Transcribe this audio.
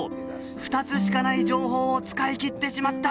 ２つしかない情報を使い切ってしまった。